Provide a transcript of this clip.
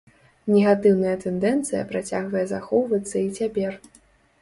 Негатыўная тэндэнцыя працягвае захоўвацца і цяпер.